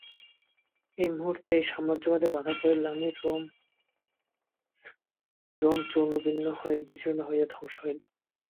যে মুহূর্তে এই সাম্রজ্যবাদে বাধা পড়িল, অমনি রোম চূর্ণ-বিচূর্ণ হইয়া ধ্বংস হইল।